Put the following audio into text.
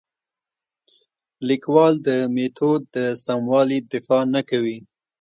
لیکوال د میتود د سموالي دفاع نه کوي.